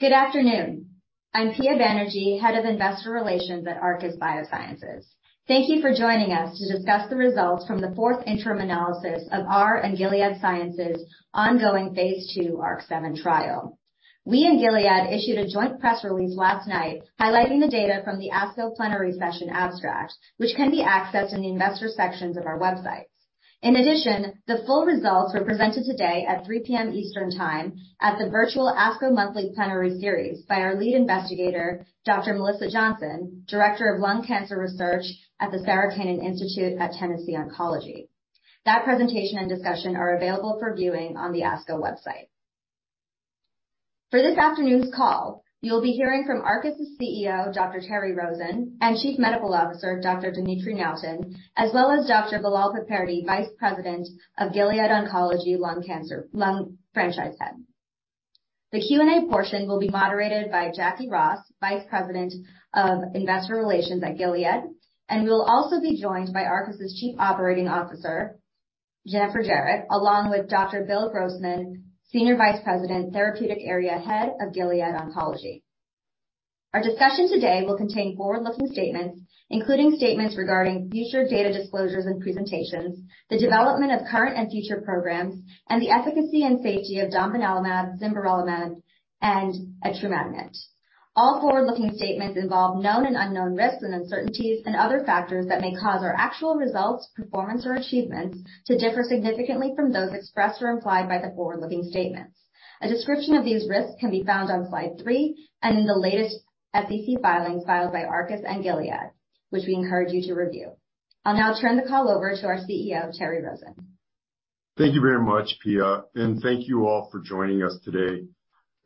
Good afternoon. I'm Pia Banerjee, Head of Investor Relations at Arcus Biosciences. Thank you for joining us to discuss the results from the fourth interim analysis of our and Gilead Sciences phase II ARC-7 trial. We and Gilead issued a joint press release last night highlighting the data from the ASCO Plenary Session abstract, which can be accessed in the investor sections of our websites. In addition, the full results were presented today at 3:00 P.M. Eastern Time at the virtual ASCO Monthly Plenary Series by our lead investigator, Dr. Melissa Johnson, Director of Lung Cancer Research at the Sarah Cannon Research Institute at Tennessee Oncology. That presentation and discussion are available for viewing on the ASCO website. For this afternoon's call, you'll be hearing from Arcus's CEO, Dr. Terry Rosen, and Chief Medical Officer, Dr. Dimitri Nuyten, as well as Dr. Bilal Piperdi, Vice President of Gilead Oncology, Lung Franchise Head. The Q&A portion will be moderated by Jacquie Ross, Vice President of Investor Relations at Gilead, and we will also be joined by Arcus's Chief Operating Officer, Jennifer Jarrett, along with Dr. Bill Grossman, Senior Vice President, Therapeutic Area Head, Gilead Oncology. Our discussion today will contain forward-looking statements, including statements regarding future data disclosures and presentations, the development of current and future programs, and the efficacy and safety of domvanalimab, zimberelimab, and etrumadenant. All forward-looking statements involve known and unknown risks and uncertainties and other factors that may cause our actual results, performance or achievements to differ significantly from those expressed or implied by the forward-looking statements. A description of these risks can be found on slide three and in the latest SEC filings filed by Arcus and Gilead, which we encourage you to review. I'll now turn the call over to our CEO, Terry Rosen. Thank you very much, Pia, and thank you all for joining us today.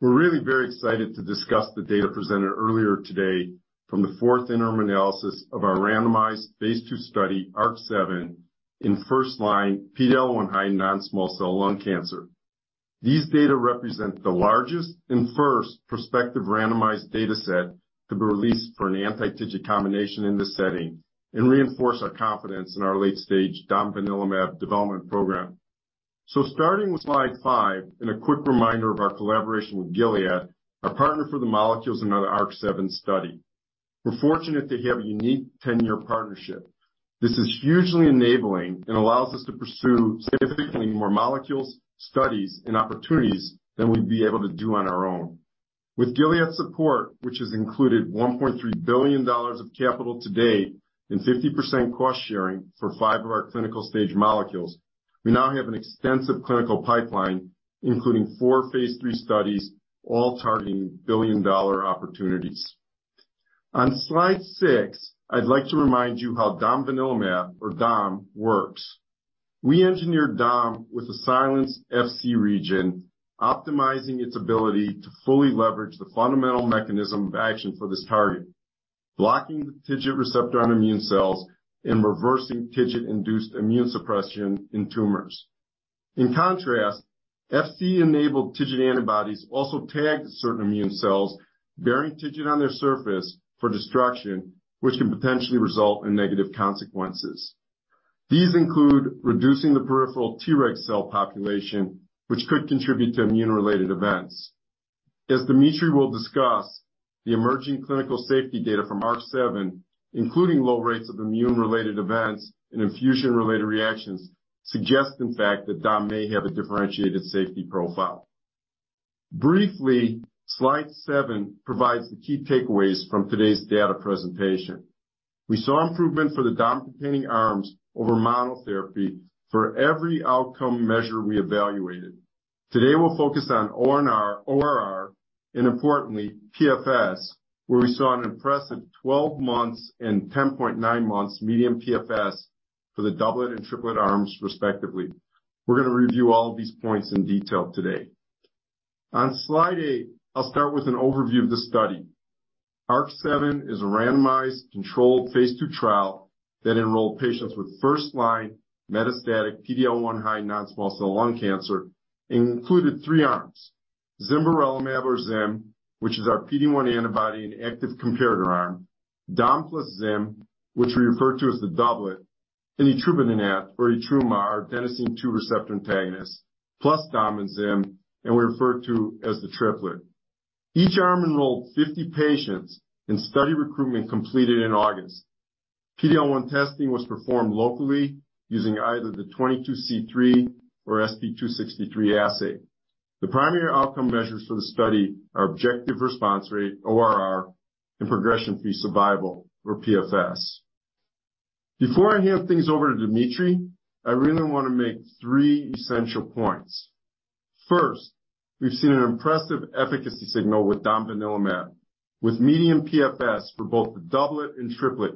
We're really very excited to discuss the data presented earlier today from the fourth interim analysis of our phase II study, ARC-7 in first-line PD-L1 high non-small cell lung cancer. These data represent the largest and first prospective randomized dataset to be released for an anti-TIGIT combination in this setting and reinforce our confidence in our late-stage domvanalimab development program. Starting with slide five, and a quick reminder of our collaboration with Gilead, our partner for the molecules another ARC-7 study. We're fortunate to have a unique 10-year partnership. This is hugely enabling and allows us to pursue significantly more molecules, studies and opportunities than we'd be able to do on our own. With Gilead's support, which has included $1.3 billion of capital to date and 50% cost-sharing for five of our clinical stage molecules, we now have an extensive clinical pipeline, including four phase III studies, all targeting billion-dollar opportunities. On slide six, I'd like to remind you how domvanalimab or DOM works. We engineered DOM with a silenced FC region, optimizing its ability to fully leverage the fundamental mechanism of action for this target, blocking the TIGIT receptor on immune cells and reversing TIGIT-induced immune suppression in tumors. In contrast, FC-enabled TIGIT antibodies also tagged certain immune cells bearing TIGIT on their surface for destruction, which can potentially result in negative consequences. These include reducing the peripheral Treg cell population, which could contribute to immune-related events. As Dimitri will discuss, the emerging clinical safety data from ARC-7, including low rates of immune-related events and infusion-related reactions, suggest, in fact, that DOM may have a differentiated safety profile. Briefly, slide seven provides the key takeaways from today's data presentation. We saw improvement for the DOM-containing arms over monotherapy for every outcome measure we evaluated. Today, we'll focus on ORR, and importantly, PFS, where we saw an impressive 12 months and 10.9 months median PFS for the doublet and triplet arms, respectively. We're gonna review all of these points in detail today. On slide eight, I'll start with an overview of the study. ARC-7 is a randomized, phase II trial that enrolled patients with first-line metastatic PD-L1 high non-small cell lung cancer and included three arms. Zimberelimab or ZIM, which is our PD-1 antibody and active comparator arm, dompluszim, which we refer to as the doublet, etrumadenant or ETRUMA, our adenosine two receptor antagonist, plus DOM and ZIM, we refer to as the triplet. Each arm enrolled 50 patients. Study recruitment completed in August. PD-L1 testing was performed locally using either the 22C3 or SP263 assay. The primary outcome measures for the study are objective response rate, ORR, and progression-free survival or PFS. Before I hand things over to Dimitri, I really wanna make three essential points. First, we've seen an impressive efficacy signal with domvanalimab with median PFS for both the doublet and triplet,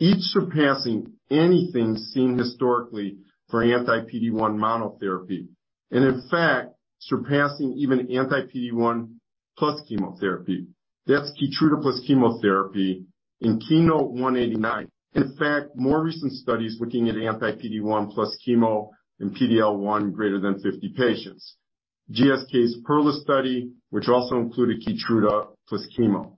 each surpassing anything seen historically for anti-PD-1 monotherapy, and in fact, surpassing even anti-PD-1 plus chemotherapy. That's KEYTRUDA plus chemotherapy in KEYNOTE-189. In fact, more recent studies looking at anti-PD-1 plus chemo in PD-L1 greater than 50 patients. GSK's PEARLS study, which also included KEYTRUDA plus chemo.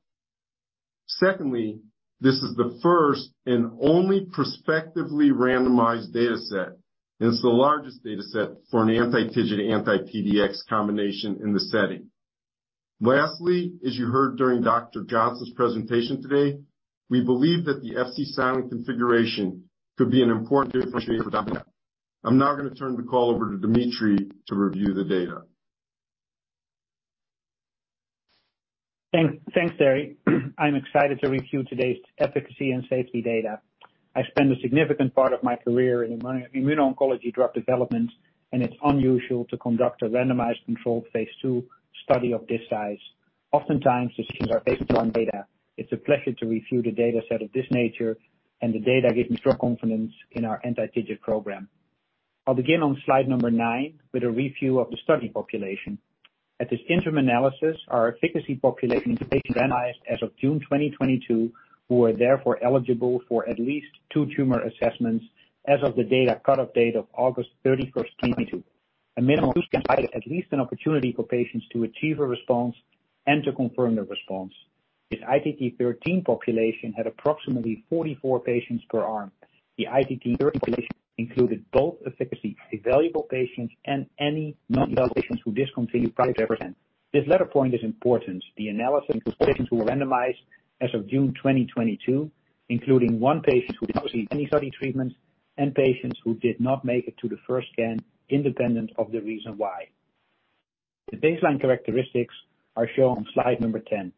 Secondly, this is the first and only prospectively randomized data set, and it's the largest data set for an anti-TIGIT, anti-PDX combination in the setting. Lastly, as you heard during Dr. Johnson's presentation today, we believe that the Fc-silent configuration could be an important differentiator for DOM. I'm now gonna turn the call over to Dimitri to review the data. Thanks, Terry. I'm excited to review today's efficacy and safety data. I spent a significant part of my career in immuno-oncology drug development. It's unusual to conduct a randomized phase II study of this size. Oftentimes, the 11 are based on data. It's a pleasure to review the data set of this nature. The data gives me strong confidence in our anti-TIGIT program. I'll begin on slide nine with a review of the study population. At this interim analysis, our efficacy population is randomized as of June 2022, who are therefore eligible for at least two tumor assessments as of the data cut-off date of August 31st, 2022. A minimum who's provided at least an opportunity for patients to achieve a response and to confirm the response. This ITT-13 population had approximately 44 patients per arm. The ITT-13 population included both efficacy valuable patients and any non-valid patients who discontinued prior to represent. This latter point is important. The analysis of patients who were randomized as of June 2022, including one patient who did not receive any study treatments and patients who did not make it to the first scan independent of the reason why. The baseline characteristics are shown on slide number 10.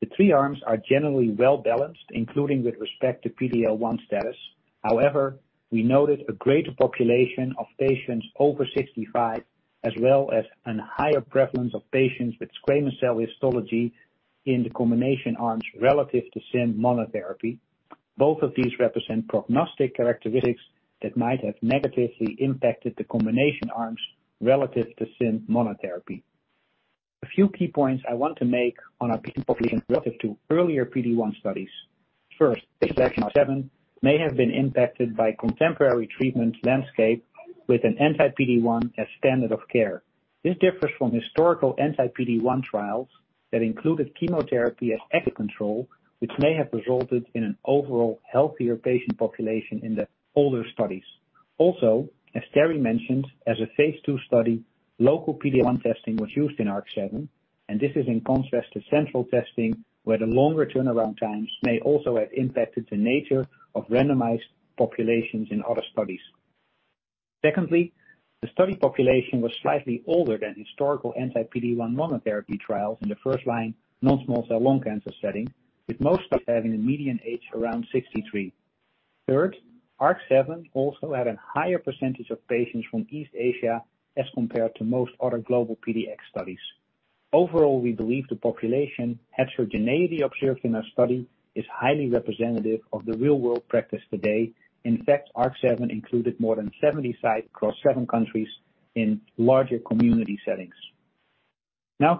The three arms are generally well-balanced, including with respect to PD-L1 status. However, we noted a greater population of patients over 65, as well as an higher prevalence of patients with squamous cell histology in the combination arms relative to ZIM monotherapy. Both of these represent prognostic characteristics that might have negatively impacted the combination arms relative to ZIM monotherapy. A few key points I want to make on our population relative to earlier PD-1 studies. First, ARC-7 may have been impacted by contemporary treatment landscape with an anti-PD-1 as standard of care. This differs from historical anti-PD-1 trials that included chemotherapy as [chemo] control, which may have resulted in an overall healthier patient population in the older studies. Also, as Terry mentioned, as phase II study, local PD-1 testing was used in ARC-7, and this is in contrast to central testing, where the longer turnaround times may also have impacted the nature of randomized populations in other studies. Secondly, the study population was slightly older than historical anti-PD-1 monotherapy trials in the first-line non-small cell lung cancer setting, with most of them having a median age around 63. Third, ARC-7 also had a higher percentage of patients from East Asia as compared to most other global PD-1 studies. Overall, we believe the population heterogeneity observed in our study is highly representative of the real-world practice today. In fact, ARC-7 included more than 70 sites across seven countries in larger community settings.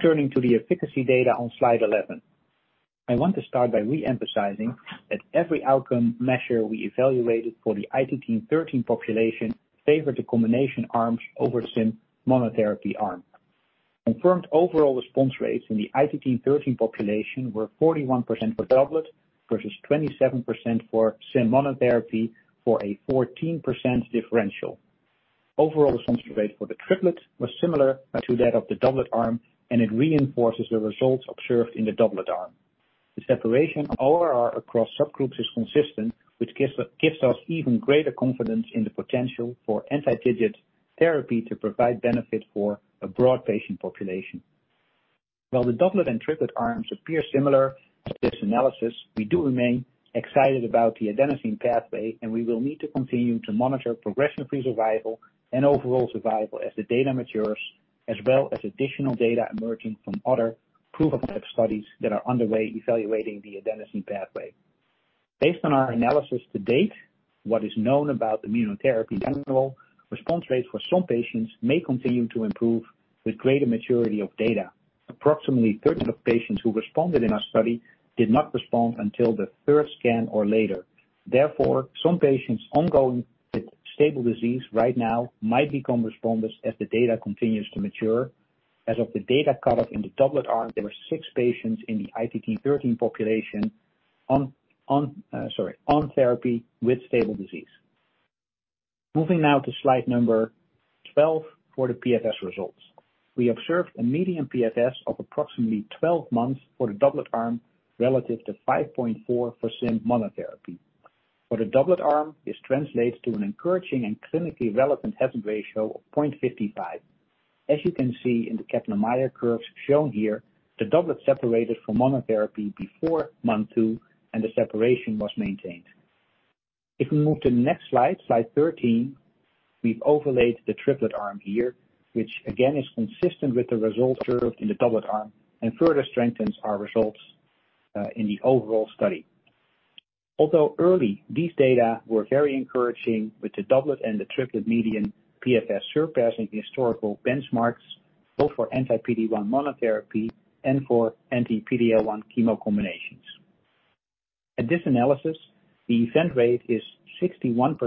Turning to the efficacy data on slide 11. I want to start by re-emphasizing that every outcome measure we evaluated for the ITT-13 population favored the combination arms over ZIM monotherapy arm. Confirmed overall response rates in the ITT-13 population were 41% for doublet versus 27% for ZIM monotherapy for a 14% differential. Overall response rate for the triplet was similar to that of the doublet arm. It reinforces the results observed in the doublet arm. The separation of ORR across subgroups is consistent, which gives us even greater confidence in the potential for anti-TIGIT therapy to provide benefit for a broad patient population. While the doublet and triplet arms appear similar to this analysis, we do remain excited about the adenosine pathway, and we will need to continue to monitor progression-free survival and overall survival as the data matures, as well as additional data emerging from other proof-of-concept studies that are underway evaluating the adenosine pathway. Based on our analysis to date, what is known about immunotherapy in general, response rates for some patients may continue to improve with greater maturity of data. Approximately 30 of patients who responded in our study did not respond until the third scan or later. Some patients ongoing with stable disease right now might become responders as the data continues to mature. As of the data cut off in the doublet arm, there were six patients in the ITT-13 population on therapy with stable disease. Moving now to slide number 12 for the PFS results. We observed a median PFS of approximately 12 months for the doublet arm, relative to 5.4 for ZIM monotherapy. For the doublet arm, this translates to an encouraging and clinically relevant hazard ratio of 0.55. As you can see in the Kaplan-Meier curves shown here, the doublet separated from monotherapy before month two, and the separation was maintained. If we move to the next slide 13, we've overlaid the triplet arm here, which again is consistent with the results observed in the doublet arm and further strengthens our results in the overall study. Although early, these data were very encouraging with the doublet and the triplet median PFS surpassing historical benchmarks, both for anti-PD-1 monotherapy and for anti-PD-L1 chemo combinations. At this analysis, the event rate is 61%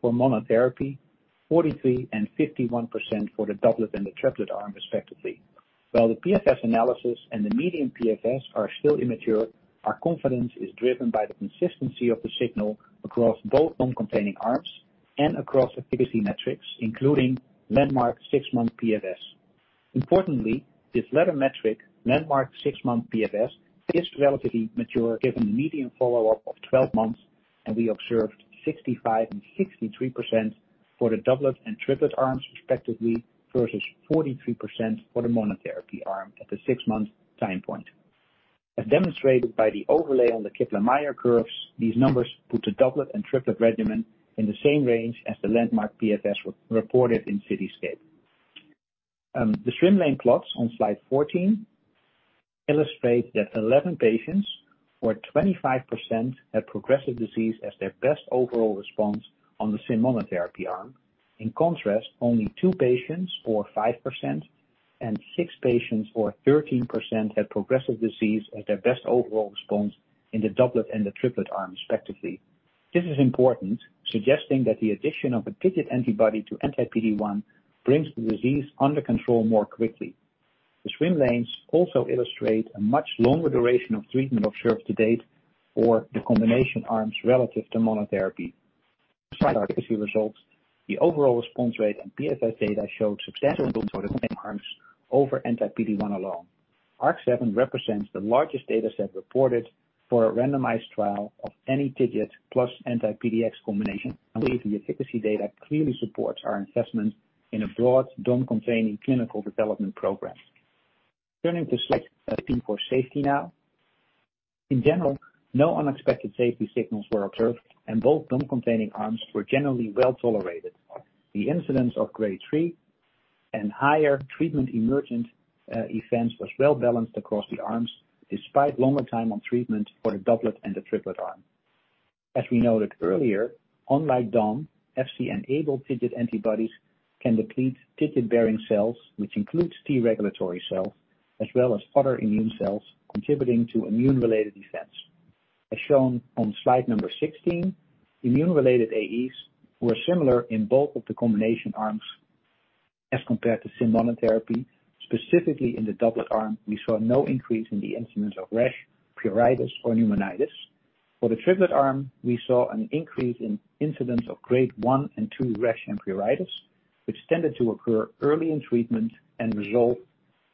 for monotherapy, 43% and 51% for the doublet and the triplet arm respectively. While the PFS analysis and the median PFS are still immature, our confidence is driven by the consistency of the signal across both DOM-containing arms and across efficacy metrics, including landmark six-month PFS. Importantly, this latter metric, landmark six-month PFS, is relatively mature given the median follow-up of 12 months, and we observed 65% and 63% for the doublet and triplet arms respectively, versus 43% for the monotherapy arm at the six-month time point. As demonstrated by the overlay on the Kaplan-Meier curves, these numbers put the doublet and triplet regimen in the same range as the landmark PFS re-reported in CITYSCAPE. The swim lane plots on slide 14 illustrate that 11 patients, or 25%, had progressive disease as their best overall response on the ZIM monotherapy arm. In contrast, only two patients, or 5%, and six patients, or 13%, had progressive disease as their best overall response in the doublet and the triplet arm respectively. This is important, suggesting that the addition of a TIGIT antibody to anti-PD-1 brings the disease under control more quickly. The swim lanes also illustrate a much longer duration of treatment observed to date for the combination arms relative to monotherapy. Slide efficacy results. The overall response rate and PFS data showed substantial improvement for the combined arms over anti-PD-1 alone. ARC-7 represents the largest data set reported for a randomized trial of any TIGIT plus anti-PD-1 combination. The efficacy data clearly supports our investment in a broad DOM-containing clinical development program. Turning to slide 15 for safety now. In general, no unexpected safety signals were observed, and both DOM-containing arms were generally well-tolerated. The incidence of grade three and higher treatment emergent events was well balanced across the arms, despite longer time on treatment for the doublet and the triplet arm. As we noted earlier, unlike DOM, Fc and able TIGIT antibodies can deplete TIGIT-bearing cells, which includes T regulatory cells, as well as other immune cells contributing to immune-related events. As shown on slide number 16, immune-related AEs were similar in both of the combination arms as compared to ZIM monotherapy. Specifically in the doublet arm, we saw no increase in the incidence of rash, pruritus, or pneumonitis. For the triplet arm, we saw an increase in incidence of grade one and two rash and pruritus, which tended to occur early in treatment and resolved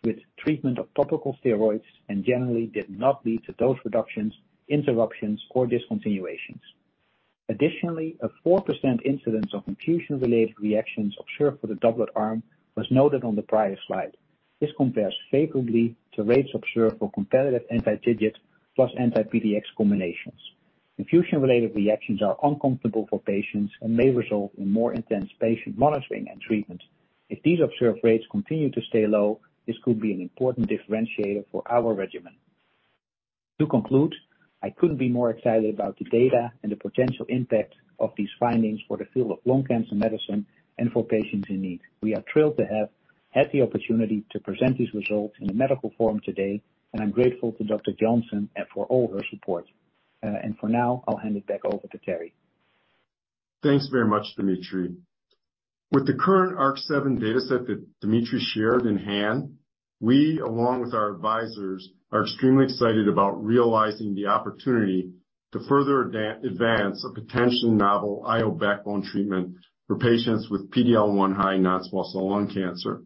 with treatment of topical steroids and generally did not lead to dose reductions, interruptions, or discontinuations. Additionally, a 4% incidence of infusion-related reactions observed for the doublet arm was noted on the prior slide. This compares favorably to rates observed for competitive anti-TIGIT plus anti-PD-1 combinations. Infusion-related reactions are uncomfortable for patients and may result in more intense patient monitoring and treatment. If these observed rates continue to stay low, this could be an important differentiator for our regimen. To conclude, I couldn't be more excited about the data and the potential impact of these findings for the field of lung cancer medicine and for patients in need. We are thrilled to have had the opportunity to present these results in the medical forum today, and I'm grateful to Dr. Johnson for all her support. For now, I'll hand it back over to Terry. Thanks very much, Dimitri. With the current ARC-7 data set that Dimitri shared in hand, we, along with our advisors, are extremely excited about realizing the opportunity to further advance a potential novel IO backbone treatment for patients with PD-L1 high non-small cell lung cancer.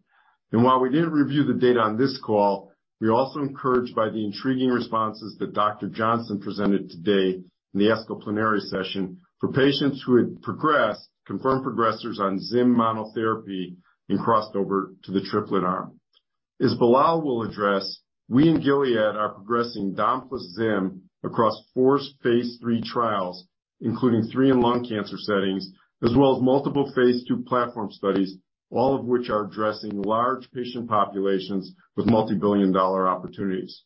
While we did review the data on this call, we're also encouraged by the intriguing responses that Dr. Johnson presented today in the ASCO Plenary Session for patients who had progressed, confirmed progressers on ZIM monotherapy and crossed over to the triplet arm. As Bilal will address, we and Gilead are progressing DOM plus ZIM across four phase III trials, including three in lung cancer settings, as well as phase II platform studies, all of which are addressing large patient populations with multi-billion dollar opportunities.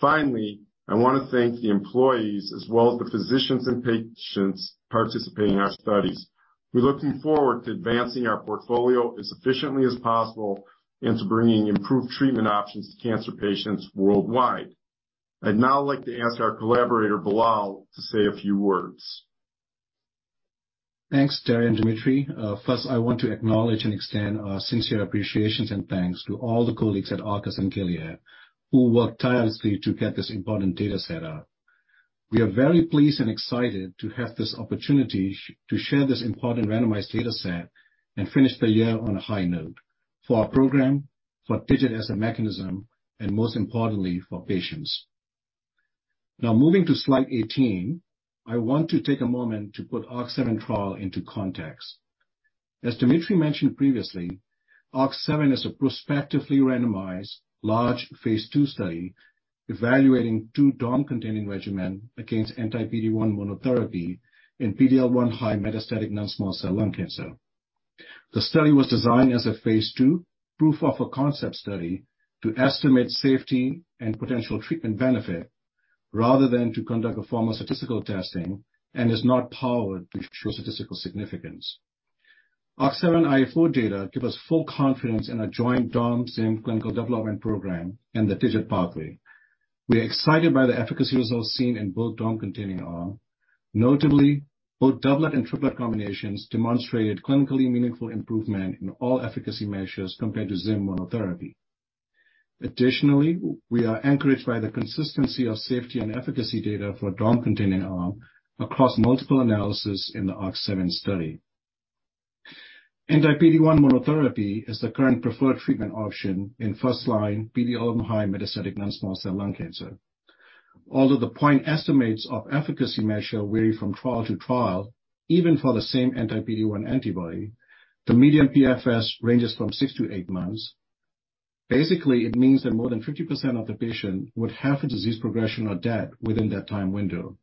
Finally, I wanna thank the employees as well as the physicians and patients participating in our studies. We're looking forward to advancing our portfolio as efficiently as possible and to bringing improved treatment options to cancer patients worldwide. I'd now like to ask our collaborator, Bilal, to say a few words. Thanks, Terry and Dimitri. First I want to acknowledge and extend our sincere appreciation and thanks to all the colleagues at Arcus and Gilead who worked tirelessly to get this important data set up. We are very pleased and excited to have this opportunity to share this important randomized data set and finish the year on a high note for our program, for TIGIT as a mechanism, and most importantly, for patients. Moving to slide 18, I want to take a moment to put ARC-7 trial into context. As Dimitri mentioned previously, ARC-7 is a prospectively randomized, phase II study evaluating two DOM-containing regimen against anti-PD-1 monotherapy in PD-L1 high metastatic non-small cell lung cancer. The study was designed as phase II proof of a concept study to estimate safety and potential treatment benefit, rather than to conduct a formal statistical testing, and is not powered to show statistical significance. ARC-7 IA4 data give us full confidence in a joint DOM-ZIM clinical development program and the TIGIT pathway. We are excited by the efficacy results seen in both DOM-containing arm. Notably, both doublet and triplet combinations demonstrated clinically meaningful improvement in all efficacy measures compared to ZIM monotherapy. We are encouraged by the consistency of safety and efficacy data for DOM-containing arm across multiple analysis in the ARC-7 study. Anti-PD-1 monotherapy is the current preferred treatment option in first line PD-L1 high metastatic non-small cell lung cancer. Although the point estimates of efficacy measure vary from trial to trial, even for the same anti-PD-1 antibody, the median PFS ranges from six to eight months. Basically, it means that more than 50% of the patient would have a disease progression or death within that time window.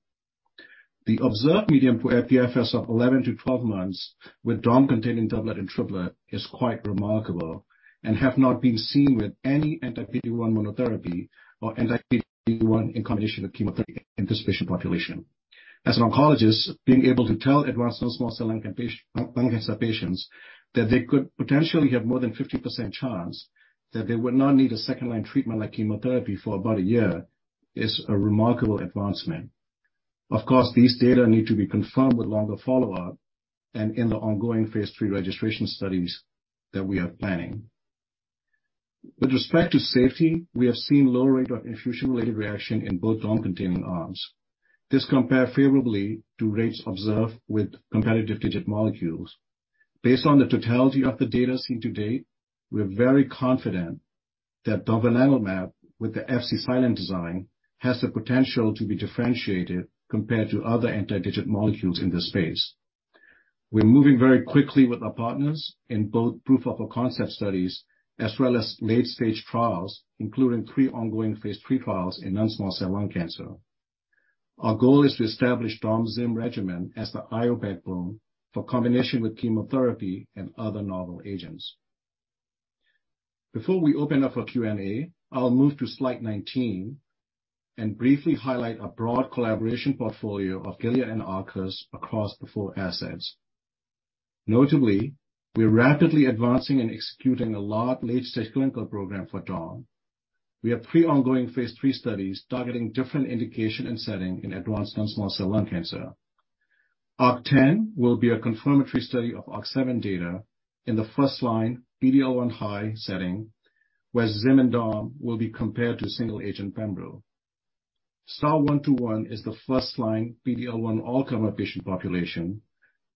The observed median PFS of 11-12 months with DOM-containing doublet and triplet is quite remarkable and have not been seen with any anti-PD-1 monotherapy or anti-PD-1 in combination with chemotherapy in this patient population. As an oncologist, being able to tell advanced non-small cell lung cancer, lung cancer patients that they could potentially have more than 50% chance that they would not need a second-line treatment like chemotherapy for about a year is a remarkable advancement. Of course, these data need to be confirmed with longer follow-up and in the ongoing phase III registration studies that we are planning. With respect to safety, we have seen low rate of infusion-related reaction in both DOM-containing arms. This compare favorably to rates observed with competitive TIGIT molecules. Based on the totality of the data seen to date, we are very confident that domvanalimab with the Fc-silent design has the potential to be differentiated compared to other anti-TIGIT molecules in this space. We are moving very quickly with our partners in both proof of concept studies as well as late-stage trials, including three ongoing phase III trials in non-small cell lung cancer. Our goal is to establish DOM-ZIM regimen as the IO backbone for combination with chemotherapy and other novel agents. Before we open up for Q&A, I will move to slide 19 and briefly highlight a broad collaboration portfolio of Gilead and Arcus across the four assets. Notably, we are rapidly advancing and executing a large late-stage clinical program for DOM. We have three ongoing phase III studies targeting different indication and setting in advanced non-small cell lung cancer. ARC-10 will be a confirmatory study of ARC-7 data in the first-line PD-L1 high setting where ZIM and DOM will be compared to single agent pembro. STAR-121 is the first line PD-L1 all comer patient population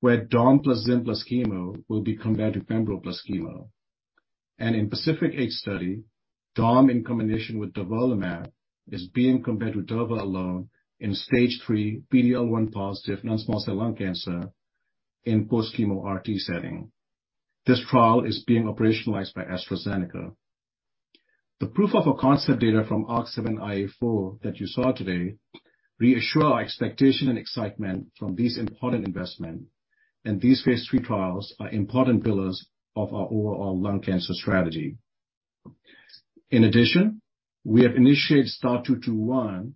where DOM plus ZIM plus chemo will be compared to pembro plus chemo. In PACIFIC-8, DOM in combination with durvalumab is being compared to durva alone in Stage III PD-L1 positive non-small cell lung cancer in post-chemo RT setting. This trial is being operationalized by AstraZeneca. The proof of a concept data from ARC-7 IA4 that you saw today reassure our expectation and excitement from this important investment. These phase III trials are important pillars of our overall lung cancer strategy. In addition, we have initiated STAR-221,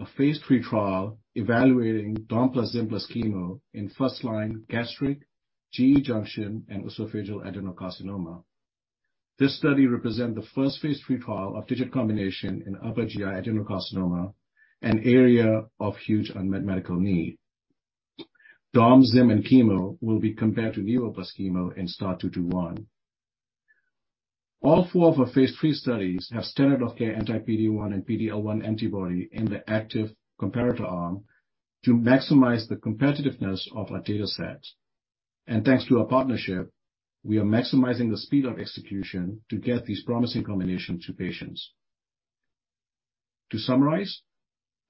a phase III trial evaluating DOM plus ZIM plus chemo in first line gastric, GE junction, and esophageal adenocarcinoma. This study represent the first phase III trial of TIGIT combination in upper GI adenocarcinoma, an area of huge unmet medical need. DOM, ZIM and chemo will be compared to nivo plus chemo in STAR-221. All four of our phase III studies have standard of care anti-PD-1 and PD-L1 antibody in the active comparator arm to maximize the competitiveness of our data sets. Thanks to our partnership, we are maximizing the speed of execution to get these promising combinations to patients. To summarize,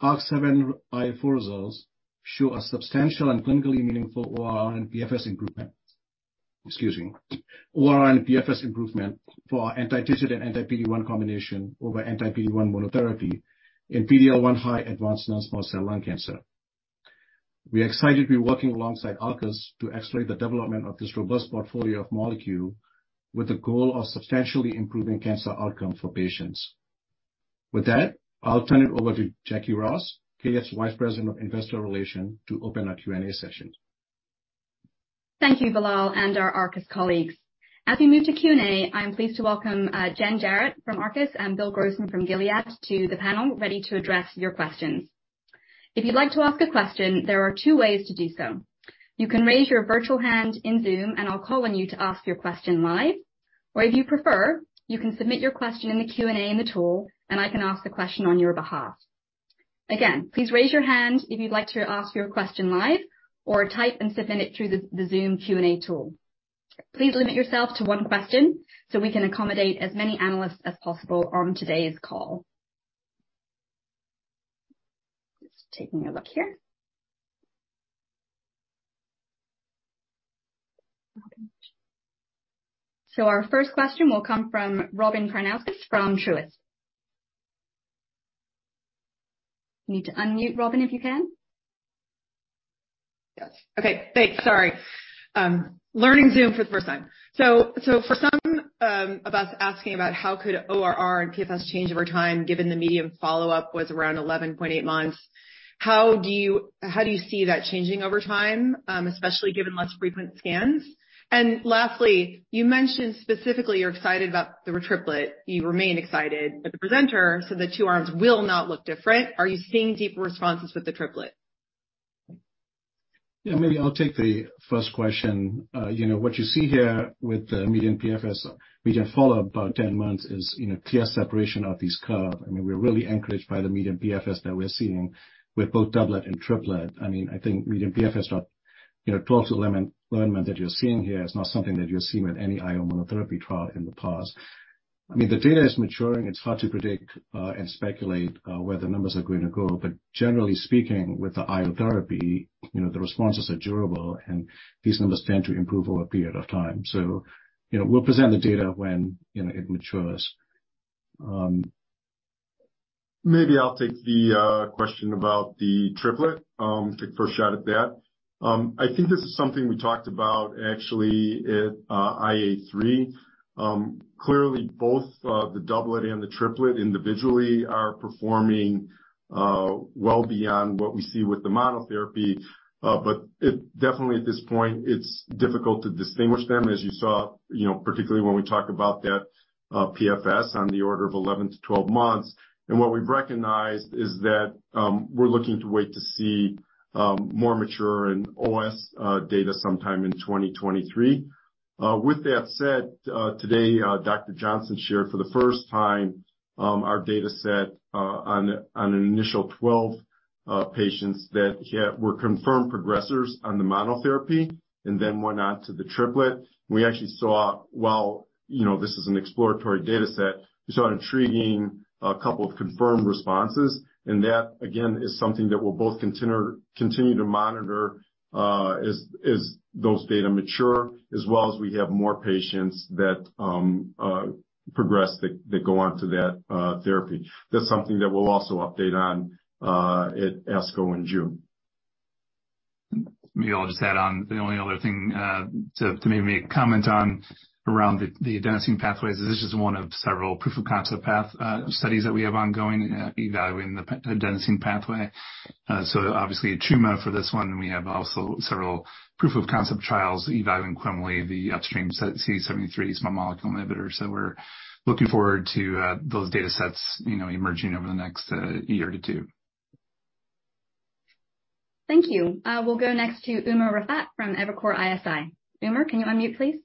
ARC-7 IA4 results show a substantial and clinically meaningful ORR and PFS improvement. Excuse me. ORR and PFS improvement for our anti-TIGIT and anti-PD-1 combination over anti-PD-1 monotherapy in PD-L1 high advanced non-small cell lung cancer. We are excited to be working alongside Arcus to accelerate the development of this robust portfolio of molecule with the goal of substantially improving cancer outcome for patients. I'll turn it over to Jacquie Ross, GS Vice President of Investor Relations, to open our Q&A session. Thank you, Bilal and our Arcus colleagues. As we move to Q&A, I am pleased to welcome Jen Jarrett from Arcus and Bill Grossman from Gilead to the panel, ready to address your questions. If you'd like to ask a question, there are two ways to do so. You can raise your virtual hand in Zoom, and I'll call on you to ask your question live. Or if you prefer, you can submit your question in the Q&A in the tool, and I can ask the question on your behalf. Again, please raise your hand if you'd like to ask your question live or type and submit it through the Zoom Q&A tool. Please limit yourself to one question so we can accommodate as many analysts as possible on today's call. Just taking a look here. Our first question will come from Robyn Karnauskas from Truist. You need to unmute, Robyn, if you can. Yes. Okay, thanks. Sorry. learning Zoom for the first time. So for some of us asking about how could ORR and PFS change over time given the median follow-up was around 11.8 months, how do you see that changing over time, especially given less frequent scans? Lastly, you mentioned specifically you're excited about the re-triplet. You remain excited. The presenter said the two arms will not look different. Are you seeing deeper responses with the triplet? Yeah. Maybe I'll take the first question. you know, what you see here with the median PFS, median follow-up, about 10 months is, you know, clear separation of this curve. I mean, we're really encouraged by the median PFS that we're seeing with both doublet and triplet. I mean, I think median PFS of, you know, 12 to 11 months that you're seeing here is not something that you're seeing with any IO monotherapy trial in the past. I mean, the data is maturing. It's hard to predict and speculate where the numbers are going to go. Generally speaking, with the IO therapy, you know, the responses are durable, and these numbers tend to improve over a period of time. you know, we'll present the data when, you know, it matures. Maybe I'll take the question about the triplet. Take a first shot at that. I think this is something we talked about actually at IA3. Clearly both the doublet and the triplet individually are performing well beyond what we see with the monotherapy. It definitely at this point it's difficult to distinguish them, as you saw, you know, particularly when we talk about that PFS on the order of 11-12 months. What we've recognized is that we're looking to wait to see more mature and OS data sometime in 2023. With that said, today Dr. Melissa Johnson shared for the first time our data set on an initial 12 patients that yeah, were confirmed progressors on the monotherapy and then went on to the triplet. We actually saw, while, you know, this is an exploratory data set, we saw intriguing, a couple of confirmed responses. That, again, is something that we'll both continue to monitor, as those data mature, as well as we have more patients that progress that go on to that therapy. That's something that we'll also update on, at ASCO in June. Maybe I'll just add on. The only other thing to maybe comment on around the adenosine pathways is this is one of several proof of concept studies that we have ongoing evaluating the adenosine pathway. Obviously a tumor for this one, and we have also several proof of concept trials evaluating quemliclustat, the upstream CD73 small molecule inhibitors. We're looking forward to those data sets, you know, emerging over the next year to two. Thank you. We'll go next to Umer Raffat from Evercore ISI. Umer, can you unmute please?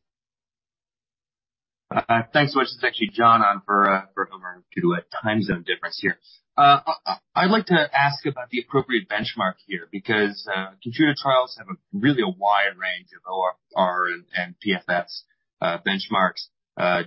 Thanks so much. It's actually Jon on for Umer due to a time zone difference here. I'd like to ask about the appropriate benchmark here, because KEYTRUDA trials have a really a wide range of ORR and PFS benchmarks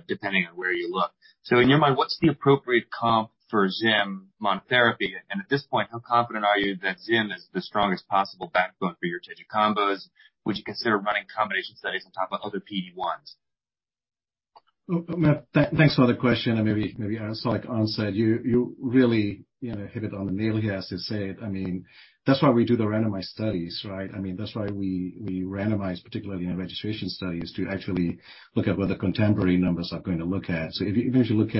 depending on where you look. In your mind, what's the appropriate comp for ZIM monotherapy? At this point, how confident are you that ZIM is the strongest possible backbone for your TIGIT combos? Would you consider running combination studies on top of other PD-1s? Well, thanks for the question, and maybe it's like [I] said, you really, you know, hit it on the nail here. As you said, I mean, that's why we do the randomized studies, right? I mean, that's why we randomize, particularly in our registration studies, to actually look at what the contemporary numbers are going to look at. If you look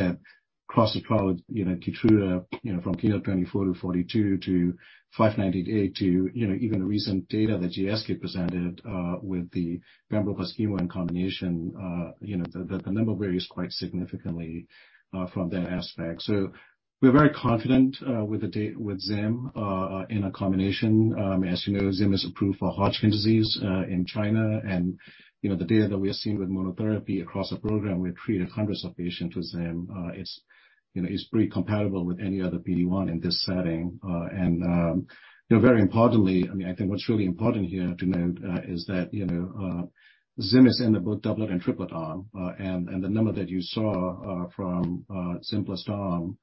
across the trial, you know, KEYTRUDA, you know, from KEYNOTE-024 to KEYNOTE-042 to KEYNOTE-598 to, you know, even recent data that GSK presented with the pembrolizumab in combination, the number varies quite significantly from that aspect. We're very confident with ZIM in a combination. As you know, ZIM is approved for Hodgkin disease in China. You know, the data that we are seeing with monotherapy across the program, we've treated hundreds of patients with ZIM. It's, you know, it's pretty compatible with any other PD-1 in this setting. And, you know, very importantly, I mean, I think what's really important here to note, is that, you know, ZIM is in the both doublet and triplet arm. And the number that you saw from simplest arm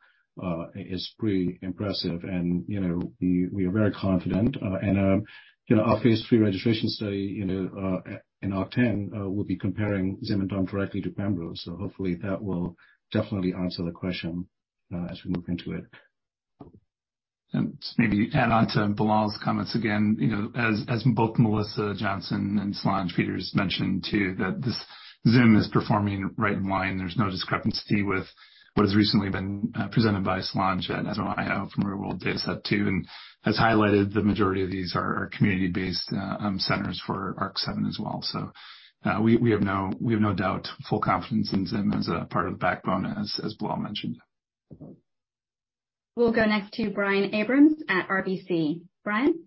is pretty impressive. You know, we are very confident. And, you know, phase III registration study, you know, in ARC-10 will be comparing ZIM and DOM directly to pembro. Hopefully that will definitely answer the question, as we move into it. Just maybe add on to Bilal's comments again. You know, as both Melissa Johnson and Solange Peters mentioned too, that this ZIM is performing right in line. There's no discrepancy with what has recently been presented by Solange at SIO from where we'll data set too, and has highlighted the majority of these are community-based centers for ARC-7 as well. We have no doubt full confidence in ZIM as a part of the backbone, as Bilal mentioned. We'll go next to Brian Abrahams at RBC. Brian?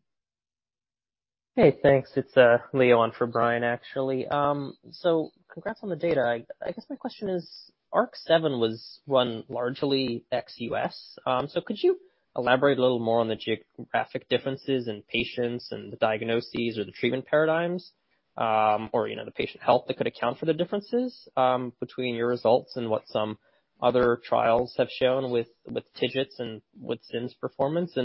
Hey, thanks. It's Leo on for Brian, actually. Congrats on the data. I guess my question is, ARC-7 was run largely ex-U.S. Could you elaborate a little more on the geographic differences in patients and the diagnoses or the treatment paradigms? Or you know, the patient health that could account for the differences between your results and what some other trials have shown with TIGIT's and with ZIM's performance.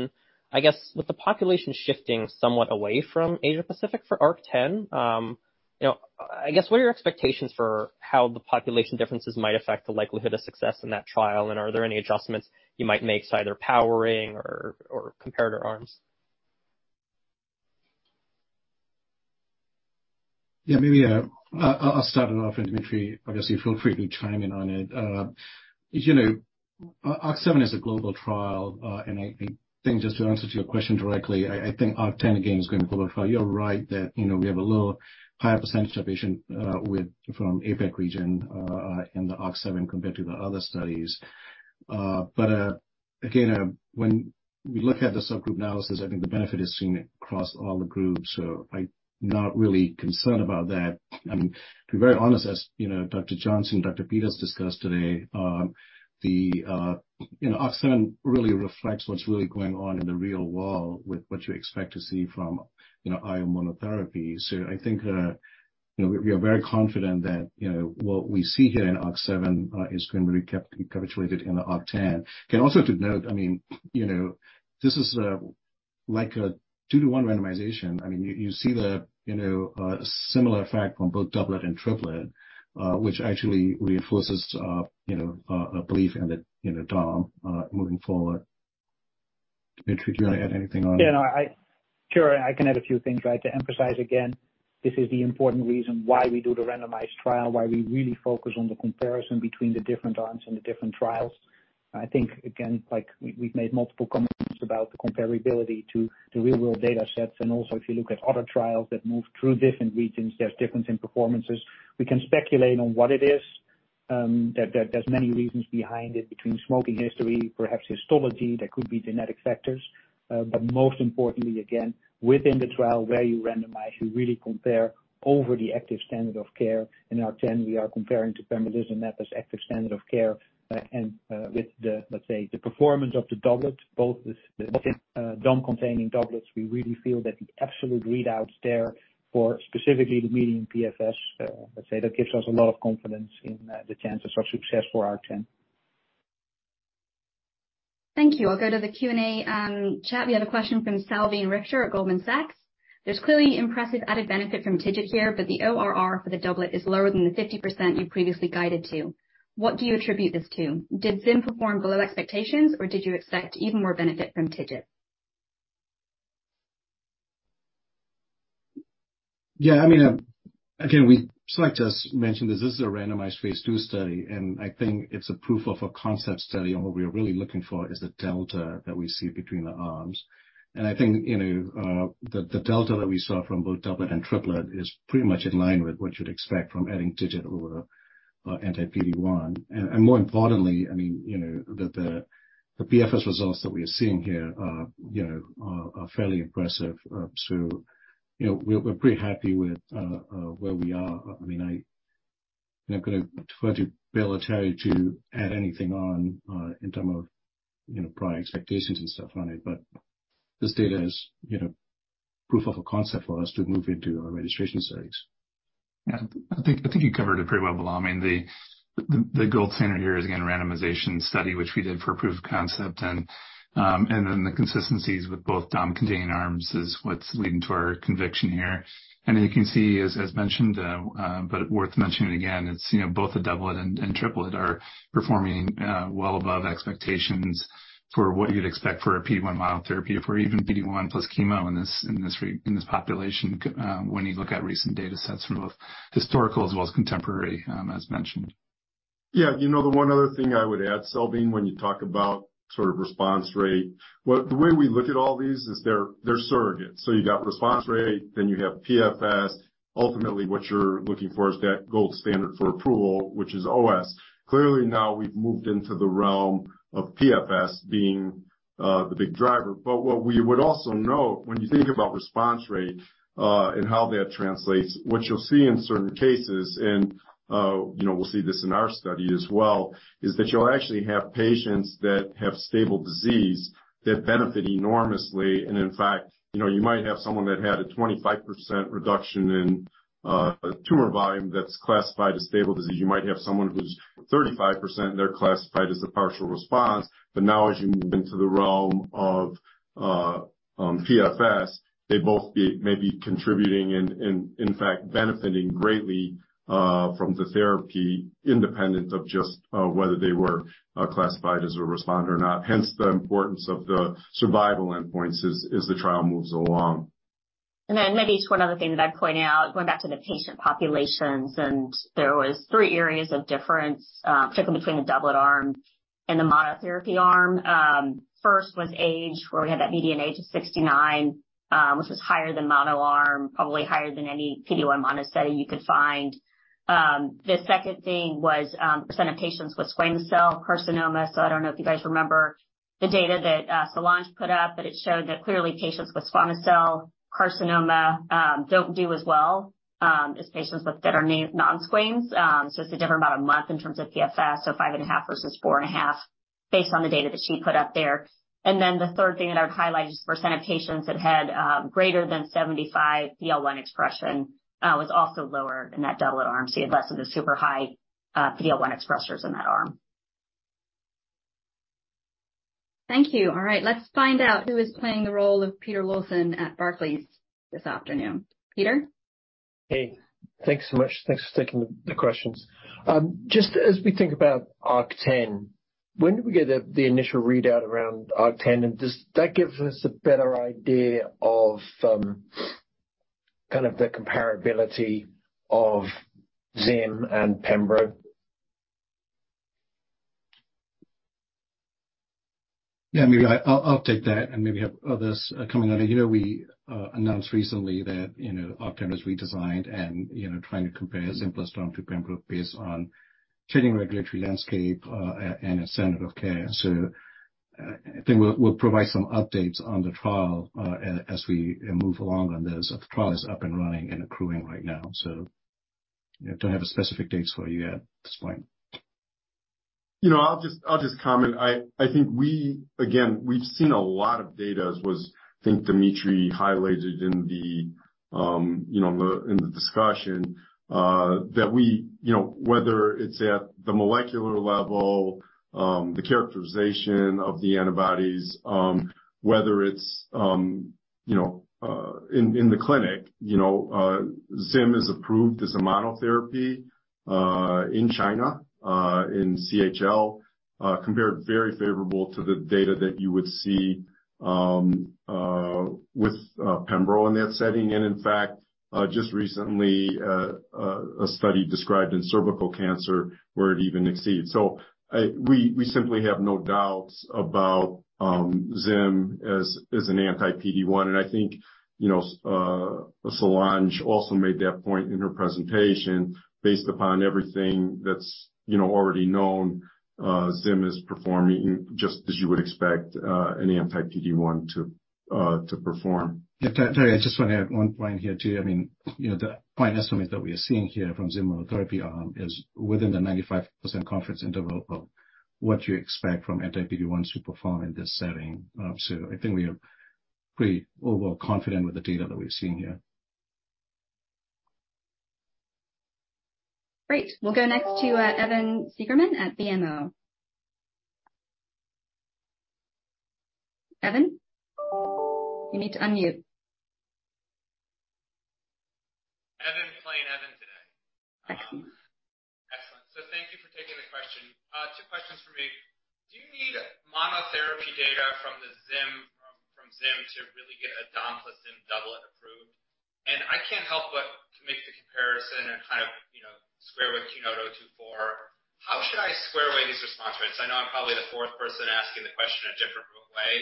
I guess with the population shifting somewhat away from Asia-PACIFIC for ARC-10. You know, I guess, what are your expectations for how the population differences might affect the likelihood of success in that trial? Are there any adjustments you might make to either powering or comparator arms? Maybe, I'll start it off, and Dimitri, obviously feel free to chime in on it. As you know, ARC-7 is a global trial, and I think just to answer to your question directly, I think ARC-10, again, is going to global trial. You're right that, you know, we have a little higher percentage of patient, with, from APAC region, in the ARC-7 compared to the other studies. Again, when we look at the subgroup analysis, I think the benefit is seen across all the groups. I'm not really concerned about that. I mean, to be very honest, as you know, Dr. Johnson and Dr. Peters discussed today, you know, ARC-7 really reflects what's really going on in the real world with what you expect to see from, you know, IO monotherapy. I think, you know, we are very confident that, you know, what we see here in ARC-7 is going to be capitulated in the ARC-10. Okay. Also to note, I mean, you know, this is like a two-to-one randomization. I mean, you see the, you know, similar effect from both doublet and triplet, which actually reinforces, you know, our belief in the DOM moving forward. Dimitri, do you want to add anything on that? Yeah, no, Sure. I can add a few things, right? To emphasize again, this is the important reason why we do the randomized trial, why we really focus on the comparison between the different arms and the different trials. I think, again, like we've made multiple comments about the comparability to real world data sets. Also if you look at other trials that move through different regions, there's difference in performances. We can speculate on what it is, there's many reasons behind it, between smoking history, perhaps histology, there could be genetic factors. Most importantly, again, within the trial where you randomize, you really compare over the active standard of care. In ARC-10 we are comparing to pembrolizumab as active standard of care. With the, let's say, the performance of the doublets, both with the DOM-containing doublets, we really feel that the absolute readouts there for specifically the median PFS, let's say that gives us a lot of confidence in the chances of success for ARC-10. Thank you. I'll go to the Q&A, chat. We have a question from Salveen Richter at Goldman Sachs. There's clearly impressive added benefit from TIGIT here, but the ORR for the doublet is lower than the 50% you previously guided to. What do you attribute this to? Did ZIM perform below expectations or did you expect even more benefit from TIGIT? Yeah, I mean, again, we select, as mentioned, this is a phase II study, and I think it's a proof of a concept study. What we are really looking for is the delta that we see between the arms. I think, you know, the delta that we saw from both doublet and triplet is pretty much in line with what you'd expect from adding TIGIT over anti-PD-1. More importantly, I mean, you know, the PFS results that we are seeing here are, you know, are fairly impressive. You know, we're pretty happy with where we are. I mean, I, you know, could afford to Bill or Terry to add anything on, in term of, you know, prior expectations and stuff on it, but this data is, you know, proof of a concept for us to move into our registration studies. Yeah. I think you covered it pretty well, Bilal. I mean, the gold standard here is again, randomization study, which we did for proof of concept. Then the consistencies with both DOM-containing arms is what's leading to our conviction here. You can see, as mentioned, but worth mentioning again, it's, you know, both the doublet and triplet are performing well above expectations for what you'd expect for a PD-1 monotherapy or even PD-1 plus chemo in this, in this population, when you look at recent data sets from both historical as well as contemporary, as mentioned. You know, the one other thing I would add, Salveen, when you talk about sort of response rate, the way we look at all these is they're surrogate. You got response rate, then you have PFS. Ultimately, what you're looking for is that gold standard for approval, which is OS. Clearly, now we've moved into the realm of PFS being the big driver. What we would also note when you think about response rate, and how that translates, what you'll see in certain cases, and, you know, we'll see this in our study as well, is that you'll actually have patients that have stable disease that benefit enormously. In fact, you know, you might have someone that had a 25% reduction in tumor volume that's classified as stable disease. You might have someone who's 35%, they're classified as a partial response. Now as you move into the realm of PFS, they both be maybe contributing and in fact, benefiting greatly from the therapy independent of just whether they were classified as a responder or not. Hence, the importance of the survival endpoints as the trial moves along. Maybe just one other thing that I'd point out, going back to the patient populations, there was three areas of difference, particularly between the doublet arm and the monotherapy arm. First was age, where we had that median age of 69, which was higher than mono arm, probably higher than any PD-1 mono study you could find. The second thing was, percent of patients with squamous cell carcinoma. I don't know if you guys remember the data that Solange put up, but it showed that clearly patients with squamous cell carcinoma don't do as well as patients with that are non-squamous. It's a different amount a month in terms of PFS. 5.5 versus 4.5 based on the data that she put up there. The third thing that I would highlight is the percent of patients that had greater than 75% PD-L1 expression was also lower in that doublet arm. You had less of the super high PD-L1 expressers in that arm. Thank you. All right, let's find out who is playing the role of Peter Lawson at Barclays this afternoon. Peter? Hey, thanks so much. Thanks for taking the questions. Just as we think about ARC-10, when do we get the initial readout around ARC-10? Does that give us a better idea of kind of the comparability of ZIM and pembro? Yeah, maybe I'll take that and maybe have others coming on. You know, we announced recently that, you know, ARC-10 was redesigned and, you know, trying to compare ZIM plus DOM to pembro based on changing regulatory landscape and a standard of care. I think we'll provide some updates on the trial as we move along on this. The trial is up and running and accruing right now. You know, don't have specific dates for you at this point. You know, I'll just comment. I think we. Again, we've seen a lot of data, as was, I think Dimitri highlighted in the, you know, in the discussion, that we, you know, whether it's at the molecular level, the characterization of the antibodies, whether it's, you know, in the clinic, you know, ZIM is approved as a monotherapy in China in CHL, compared very favorable to the data that you would see with pembro in that setting. In fact, just recently, a study described in cervical cancer where it even exceeds. We simply have no doubts about ZIM as an anti-PD-1. I think, you know, Solange also made that point in her presentation. Based upon everything that's, you know, already known, ZIM is performing just as you would expect any anti-PD-1 to perform. Yeah. Terry, I just want to add one point here, too. I mean, you know, the point estimate that we are seeing here from ZIM monotherapy arm is within the 95% confidence interval of what you expect from anti-PD-1s to perform in this setting. I think we are pretty overall confident with the data that we are seeing here. Great. We'll go next to Evan Seigerman at BMO. Evan, you need to unmute. Evan playing Evan today. Thank you. Excellent. Thank you for taking the question. two questions from me. Do you need monotherapy data from ZIM to really get a DOM plus ZIM double approved? I can't help but to make the comparison and kind of, you know, square with KEYNOTE-024, how should I square away these response rates? I know I'm probably the fourth person asking the question a different way,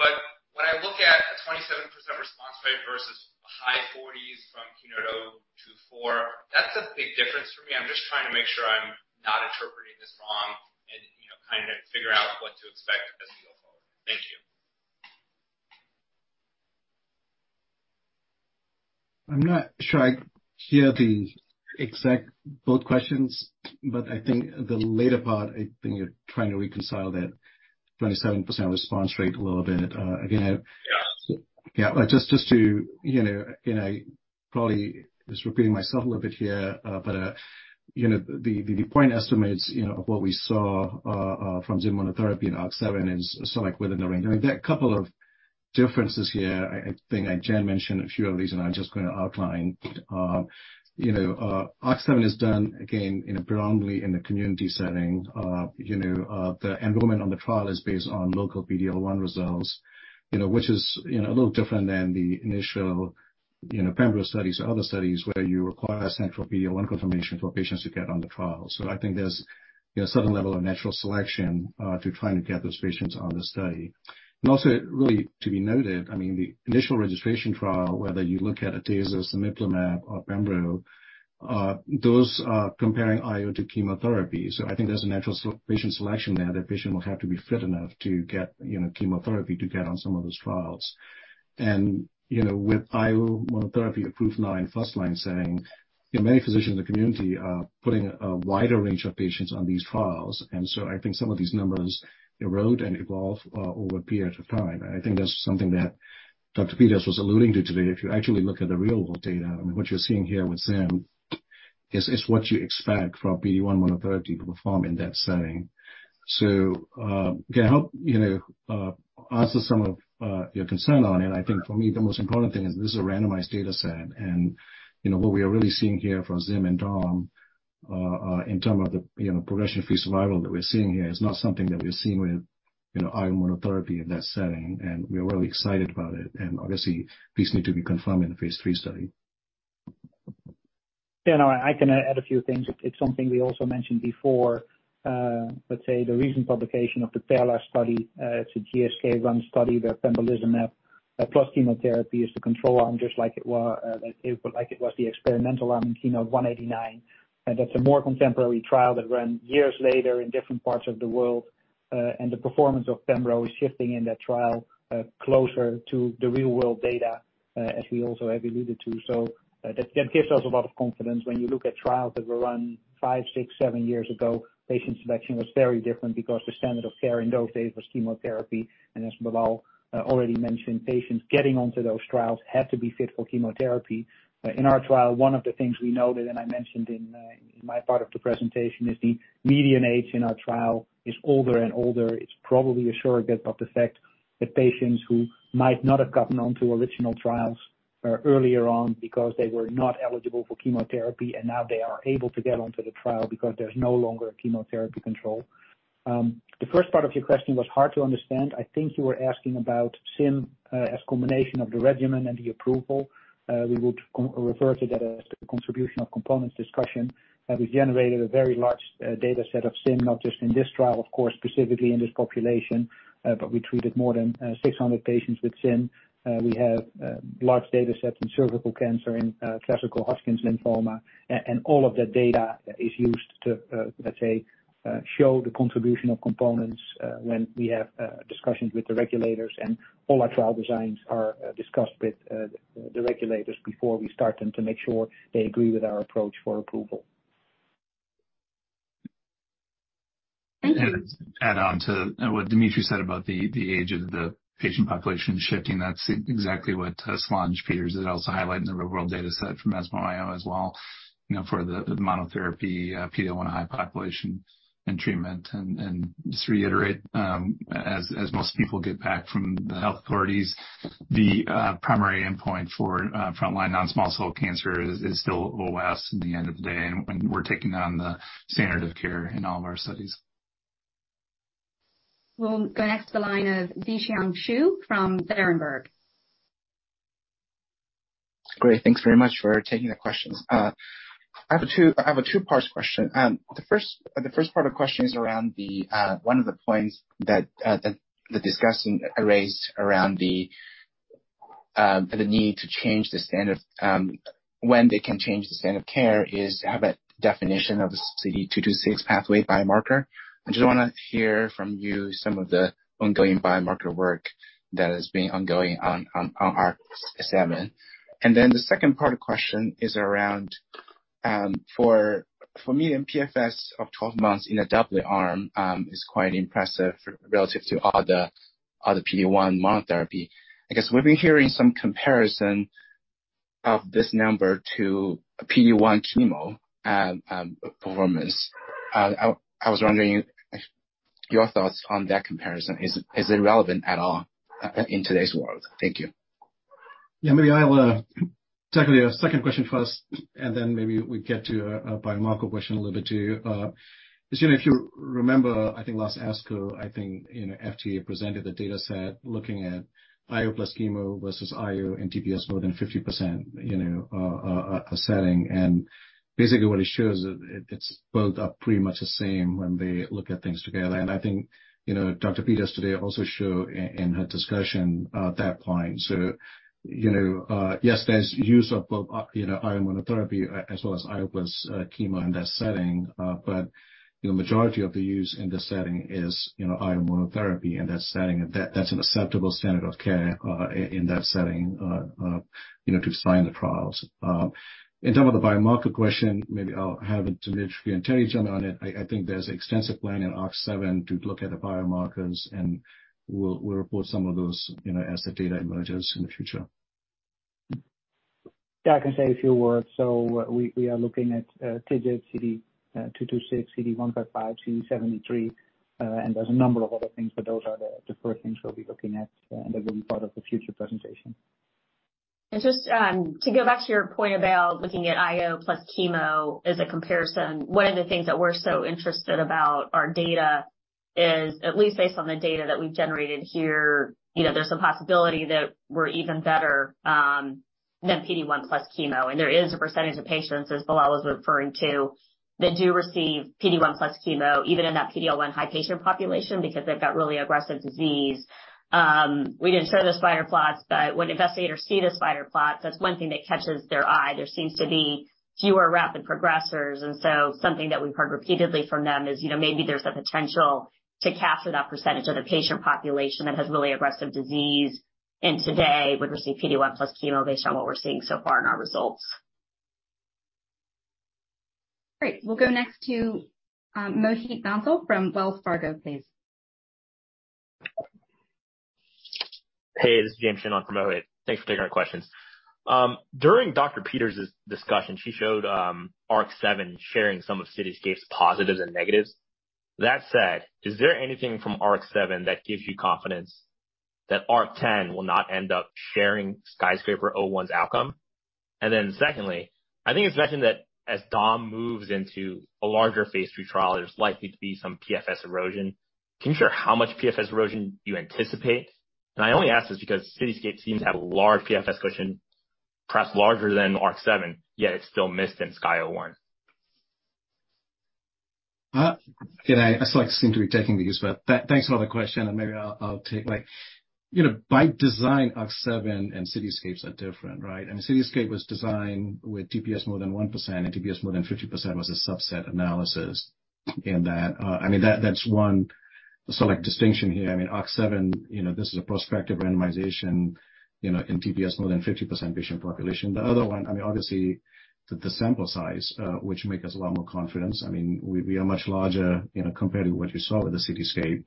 but when I look at a 27% response rate versus high 40s from KEYNOTE-024, that's a big difference for me. I'm just trying to make sure I'm not interpreting this wrong and, you know, kind of figure out what to expect as we go forward. Thank you. I'm not sure I hear the exact both questions, but I think the later part, I think you're trying to reconcile that 27% response rate a little bit. Yeah. Yeah, just to, you know, you know, probably just repeating myself a little bit here, you know, the point estimates, you know, of what we saw from ZIM monotherapy in ARC-7 is sort of like within the range. I mean, there are a couple of differences here. I think, and Jen mentioned a few of these, and I'm just gonna outline. You know, ARC-7 is done again in a predominantly in a community setting. You know, the enrollment on the trial is based on local PD-L1 results, you know, which is, you know, a little different than the initial, you know, pembro studies or other studies where you require central PD-L1 confirmation for patients to get on the trial. I think there's, you know, a certain level of natural selection to try and get those patients on the study. Really to be noted, I mean, the initial registration trial, whether you look at atezo, cemiplimab or pembro, those are comparing IO to chemotherapy. I think there's a natural patient selection there. The patient will have to be fit enough to get, you know, chemotherapy to get on some of those trials. You know, with IO monotherapy approved now in first line setting, you know, many physicians in the community are putting a wider range of patients on these trials. I think some of these numbers erode and evolve over a period of time. I think that's something that Dr. Peters was alluding to today. If you actually look at the real world data, I mean, what you're seeing here with ZIM is what you expect from a PD-1 monotherapy to perform in that setting. Again, I hope, you know, answer some of your concern on it. I think for me the most important thing is this is a randomized data set and, you know, what we are really seeing here from ZIM and DOM, in term of the, you know, progression-free survival that we're seeing here is not something that we're seeing with, you know, IO monotherapy in that setting, and we are really excited about it. Obviously these need to be confirmed in the phase III study. Yeah, no, I can add a few things. It's something we also mentioned before, let's say the recent publication of the Taylor study, it's a GSK run study where pembrolizumab plus chemotherapy is the control arm, just like it was the experimental arm in KEYNOTE-189. That's a more contemporary trial that ran years later in different parts of the world. And the performance of pembro is shifting in that trial, closer to the real world data, as we also have alluded to. That gives us a lot of confidence. When you look at trials that were run five, six, seven years ago, patient selection was very different because the standard of care in those days was chemotherapy. As Bilal already mentioned, patients getting onto those trials had to be fit for chemotherapy. In our trial, one of the things we noted, and I mentioned in my part of the presentation is the median age in our trial is older and older. It's probably a surrogate of the fact that patients who might not have gotten onto original trials earlier on because they were not eligible for chemotherapy, and now they are able to get onto the trial because there's no longer a chemotherapy control. The first part of your question was hard to understand. I think you were asking about ZIM as combination of the regimen and the approval. We would refer to that as the contribution of components discussion. We've generated a very large data set of ZIM, not just in this trial, of course, specifically in this population, but we treated more than 600 patients with ZIM. We have large data sets in cervical cancer, in classical Hodgkin lymphoma. All of that data is used to, let's say, show the contribution of components, when we have discussions with the regulators. All our trial designs are discussed with the regulators before we start them to make sure they agree with our approach for approval. Thank you. Add on to what Dimitri said about the age of the patient population shifting. That's exactly what Solange Peters did also highlight in the real world data set from ESMO IO as well, you know, for the monotherapy PD-L1 high population and treatment. Just to reiterate, as most people get back from the health authorities, the primary endpoint for frontline non-small cell cancer is still OS in the end of the day, and we're taking on the standard of care in all of our studies. We'll go next to the line of Zhiqiang Shu from Berenberg. Great. Thanks very much for taking the questions. I have a two-part question. The first part of question is around the one of the points that the discussion raised around the need to change the standard when they can change the standard of care is, have a definition of the CD226 pathway biomarker. I just wanna hear from you some of the ongoing biomarker work that is being ongoing on ARC-7. The second part of the question is around for me, and PFS of 12 months in a doublet arm, is quite impressive relative to other PD-1 monotherapy. I guess we've been hearing some comparison of this number to a PD-1 chemo performance. I was wondering your thoughts on that comparison. Is it relevant at all in today's world? Thank you. Yeah, maybe I will tackle your second question first, and then maybe we get to a biomarker question a little bit too. As you know, if you remember, I think last ASCO, I think, you know, FDA presented the data set looking at IO plus chemo versus IO and TPS more than 50%, you know, a setting. Basically, what it shows is it's both are pretty much the same when they look at things together. I think, you know, Dr. Peters today also show in her discussion that point. You know, yes, there's use of, you know, IO monotherapy as well as IO plus chemo in that setting. You know, majority of the use in this setting is, you know, IO monotherapy in that setting. That's an acceptable standard of care, in that setting, you know, to design the trials. In terms of the biomarker question, maybe I'll hand it to Dimitri and Terry on it. I think there's extensive plan in ARC-7 to look at the biomarkers, and we'll report some of those, you know, as the data emerges in the future. Yeah, I can say a few words. We are looking at TIGIT, CD226, CD155, CD73, and there's a number of other things, but those are the first things we'll be looking at, that will be part of the future presentation. Just to go back to your point about looking at IO plus chemo as a comparison, one of the things that we're so interested about our data is, at least based on the data that we've generated here, you know, there's a possibility that we're even better than PD-1 plus chemo. There is a percentage of patients, as Bilal was referring to, that do receive PD-1 plus chemo, even in that PD-L1 high patient population, because they've got really aggressive disease. We didn't show the spider plots, but when investigators see the spider plots, that's one thing that catches their eye. There seems to be fewer rapid progressors. Something that we've heard repeatedly from them is, you know, maybe there's a potential to capture that percentage of the patient population that has really aggressive disease and today would receive PD-1 plus chemo based on what we're seeing so far in our results. Great. We'll go next to Mohit Bansal from Wells Fargo, please. Hey, this is James Shin. I'm promoting. Thanks for taking our questions. During Dr. Peters's discussion, she showed ARC-7 sharing some of CITYSCAPE's positives and negatives. That said, is there anything from ARC-7 that gives you confidence that ARC-10 will not end up sharing SKYSCRAPER-01's outcome? Secondly, I think it's mentioned that as DOM moves into a larger phase III trial, there's likely to be some PFS erosion. Can you share how much PFS erosion you anticipate? I only ask this because CITYSCAPE seems to have a large PFS cushion, perhaps larger than ARC-7, yet it still missed in SKY-01. Again, I still like seem to be taking these, but thanks for another question, and maybe I'll take. Like, you know, by design, ARC-7 and CITYSCAPE are different, right? I mean, CITYSCAPE was designed with TPS more than 1% and TPS more than 50% was a subset analysis in that. I mean, that's one select distinction here. I mean, ARC-7, you know, this is a prospective randomization, you know, in TPS more than 50% patient population. The other one, I mean, obviously, the sample size, which make us a lot more confidence. I mean, we are much larger, you know, compared to what you saw with the CITYSCAPE.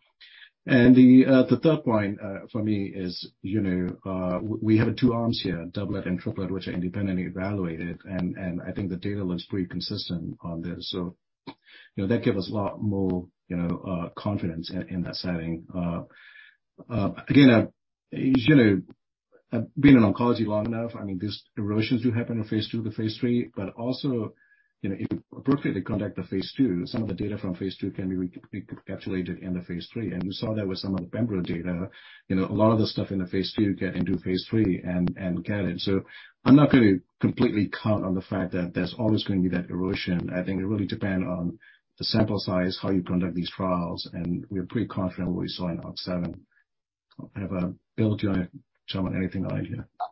The third point for me is, you know, we have two arms here, doublet and triplet, which are independently evaluated, and I think the data looks pretty consistent on this. You know, that give us a lot more, you know, confidence in that setting. Again, as you know, I've been in oncology long enough. I mean, these erosions do happen phase III, but also, you know, if you appropriately conduct phase II, some of the data phase II can be recapitulated phase III. we saw that with some of the pembro data. You know, a lot of the stuff in phase II get phase III and get it. I'm not gonna completely count on the fact that there's always going to be that erosion. I think it really depends on the sample size, how you conduct these trials, and we're pretty confident what we saw in ARC-7. I don't know, Bill, do you wanna chime on anything I've hit?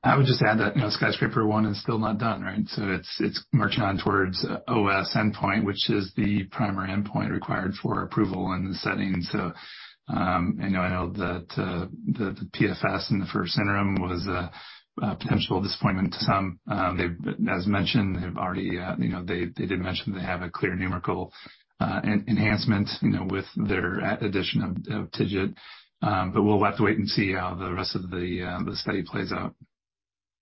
I would just add that, you know, SKYSCRAPER-01 is still not done, right? It's marching on towards OS endpoint, which is the primary endpoint required for approval in the setting. I know that the PFS in the first interim was a potential disappointment to some. They've as mentioned, have already, you know, they did mention they have a clear numerical enhancement, you know, with their addition of TIGIT. We'll have to wait and see how the rest of the study plays out.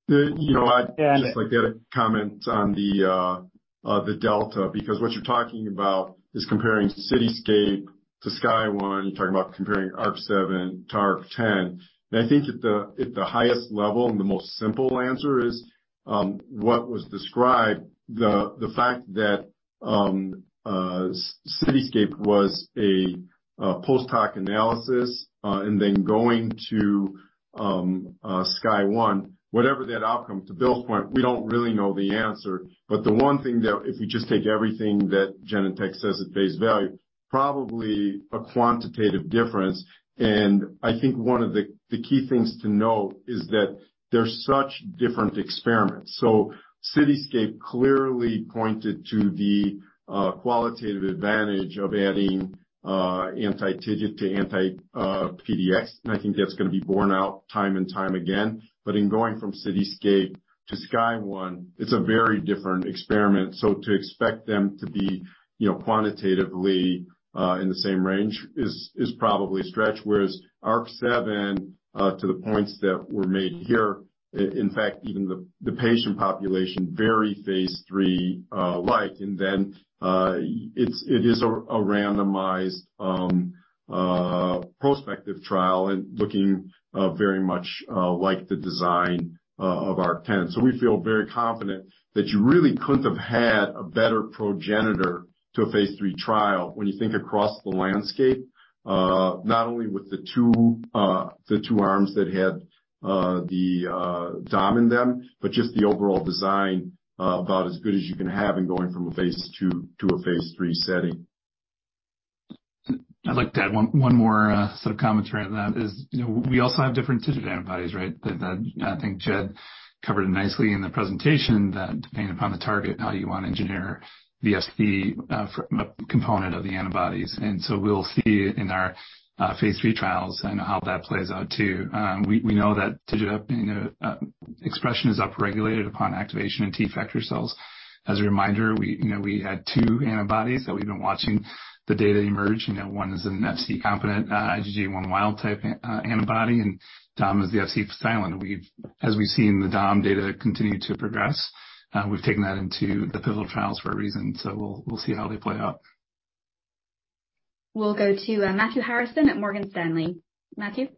You know, I'd just like to comment on the delta, because what you're talking about is comparing CITYSCAPE to SKY-01. You're talking about comparing ARC-7 to ARC-10. I think at the highest level and the most simple answer is what was described, the fact that CITYSCAPE was a post hoc analysis, and then going to SKY-01, whatever that outcome. To Bill's point, we don't really know the answer. The one thing that if we just take everything that Genentech says at face value, probably a quantitative difference. I think one of the key things to note is that they're such different experiments. CITYSCAPE clearly pointed to the qualitative advantage of adding anti-TIGIT to anti-PD-1, and I think that's gonna be borne out time and time again. In going from CITYSCAPE to SKY-01, it's a very different experiment. To expect them to be, you know, quantitatively in the same range is probably a stretch. Whereas ARC-7 to the points that were made here, in fact even the patient population very phase III light. It is a randomized prospective trial and looking very much like the design of ARC-10. We feel very confident that you really couldn't have had a better progenitor to a phase III trial when you think across the landscape, not only with the two, the two arms that had, the DOM in them, but just the overall design, about as good as you can have in going from phase II to a phase III setting. I'd like to add one more sort of commentary on that is, you know, we also have different TIGIT antibodies, right? That I think Jed covered it nicely in the presentation, that depending upon the target, how you wanna engineer the SC for a component of the antibodies. We'll see in our phase III trials and how that plays out too. We know that TIGIT, you know, expression is upregulated upon activation in T factor cells. As a reminder, we, you know, we had two antibodies that we've been watching the data emerge. You know, one is an Fc competent IgG1 wild type antibody, and DOM is the FC silent. As we've seen the DOM data continue to progress, we've taken that into the pivotal trials for a reason. We'll see how they play out. We'll go to Matthew Harrison at Morgan Stanley. Matthew?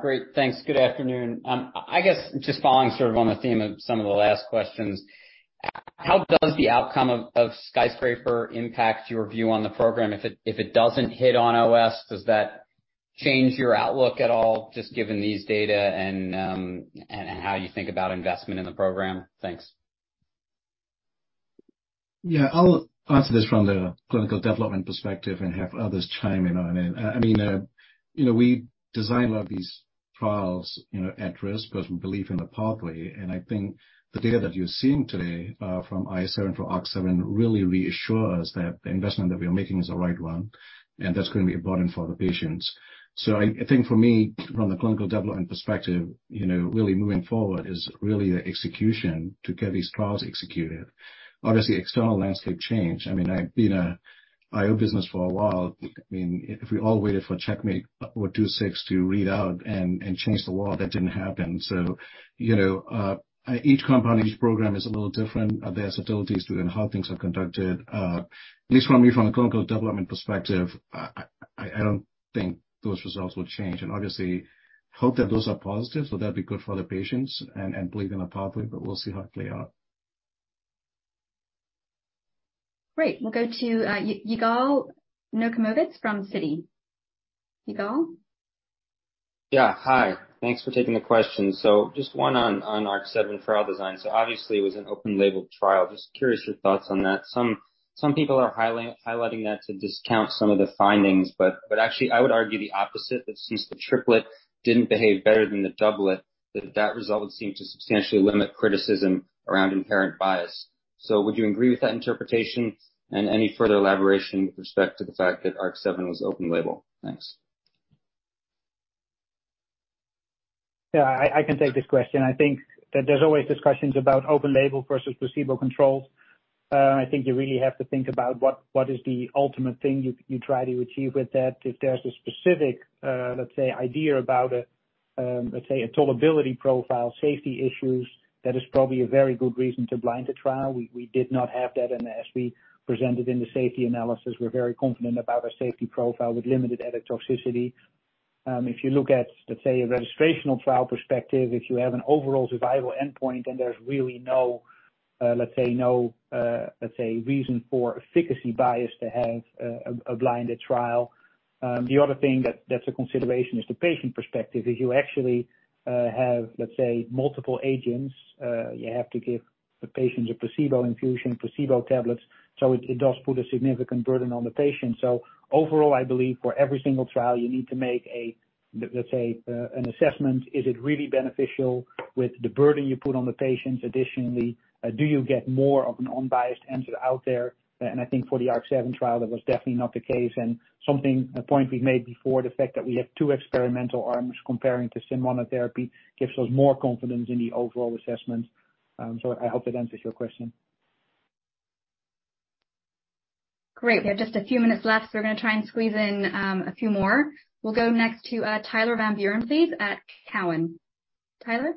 Great, thanks. Good afternoon. I guess just following sort of on the theme of some of the last questions, how does the outcome of SKYSCRAPER impact your view on the program? If it doesn't hit on OS, does that change your outlook at all, just given these data and how you think about investment in the program? Thanks. Yeah, I'll answer this from the clinical development perspective and have others chime in on it. I mean, you know, we design a lot of these trials, you know, at risk because we believe in the pathway. I think the data that you're seeing today, from ARC-7 for ARC-7 really reassure us that the investment that we are making is the right one and that's gonna be important for the patients. I think for me, from the clinical development perspective, you know, really moving forward is really the execution to get these trials executed. Obviously, external landscape change. I mean, I've been a IO business for a while. I mean, if we all waited for CheckMate 026 to read out and change the law, that didn't happen. You know, each company's program is a little different. There are subtleties within how things are conducted. At least for me from a clinical development perspective, I don't think those results will change. Obviously hope that those are positive, so that'd be good for the patients and believe in a pathway, we'll see how it play out. Great. We'll go to Yigal Nochomovitz from Citi. Yigal? Yeah. Hi. Thanks for taking the question. Just one on ARC-7 trial design. Obviously it was an open label trial. Just curious your thoughts on that. Some people are highlighting that to discount some of the findings, but actually I would argue the opposite, that since the triplet didn't behave better than the doublet, that result would seem to substantially limit criticism around inherent bias. Would you agree with that interpretation and any further elaboration with respect to the fact that ARC-7 was open label? Thanks. Yeah, I can take this question. I think that there's always discussions about open label versus placebo controls. I think you really have to think about what is the ultimate thing you try to achieve with that. If there's a specific, let's say, idea about a, let's say a tolerability profile, safety issues, that is probably a very good reason to blind the trial. We did not have that. As we presented in the safety analysis, we're very confident about our safety profile with limited edit toxicity. If you look at, let's say, a registrational trial perspective, if you have an overall survival endpoint, there's really no, let's say no, let's say reason for efficacy bias to have a blinded trial. The other thing that's a consideration is the patient perspective. If you actually have, let's say, multiple agents, you have to give the patients a placebo infusion, placebo tablets, so it does put a significant burden on the patient. Overall, I believe for every single trial you need to make a, let's say, an assessment. Is it really beneficial with the burden you put on the patients additionally? Do you get more of an unbiased answer out there? I think for the ARC-7 trial, that was definitely not the case. Something, a point we've made before, the fact that we have two experimental arms comparing to monotherapy gives us more confidence in the overall assessment. I hope that answers your question. Great. We have just a few minutes left, we're gonna try and squeeze in a few more. We'll go next to Tyler Van Buren, please, at Cowen. Tyler?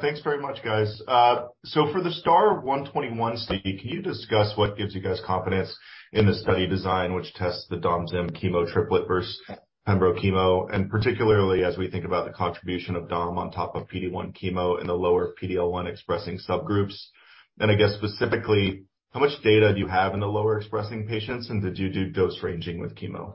Thanks very much, guys. For the STAR-121 study, can you discuss what gives you guys confidence in the study design which tests the DOM-ZIM chemo triplet versus pembro chemo, and particularly as we think about the contribution of DOM on top of PD-1 chemo in the lower PD-L1 expressing subgroups. I guess specifically, how much data do you have in the lower expressing patients, and did you do dose ranging with chemo?